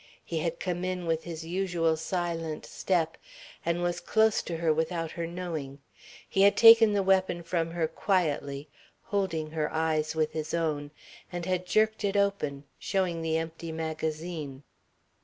He had come in with his usual silent step and was close to her without her knowing. He had taken the weapon from her quietly, holding her eyes with his own, and had jerked it open, showing the empty magazine.